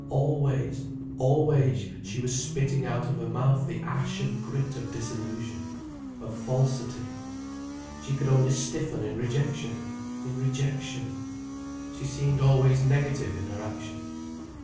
Always, always she was spitting out of her mouth the ash and grit of disillusion, of falsity. She could only stiffen in rejection, in rejection. She seemed always negative in her action.